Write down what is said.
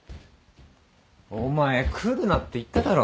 お前来るなって言っただろ。